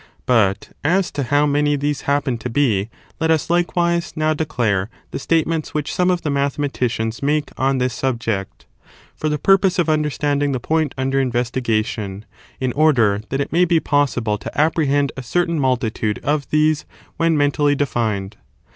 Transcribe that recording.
But as to how many these happen to be let us, likewise, now declare the state ments which some of the mathematicians make on this subject, for the purpose of imderstanding the point under investigation, in order that it may be possible to apprehend a certain multitude of these when mentally defined.